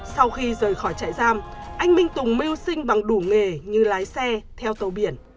sau khi rời khỏi trại giam anh minh tùng mưu sinh bằng đủ nghề như lái xe theo tàu biển